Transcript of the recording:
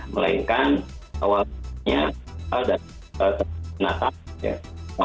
melainkan awalnya ada kastengel natal ya